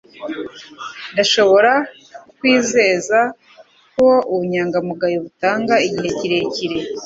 Ndashobora kukwizeza ko ubunyangamugayo butanga igihe kirekire